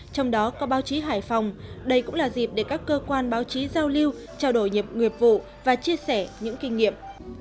trong đó có báo chí hải phòng đây cũng là dịp để các cơ quan báo chí giao lưu trao đổi nhập vụ và chia sẻ những kinh nghiệm